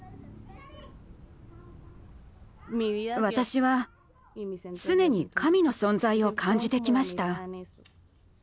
私は常に神の存在を感じてきました。